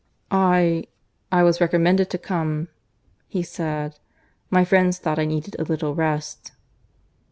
"I ... I was recommended to come," he said. "My friends thought I needed a little rest."